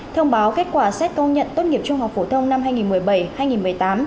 thông báo kết quả xét công nhận tốt nghiệp trung học phổ thông năm hai nghìn một mươi bảy hai nghìn một mươi tám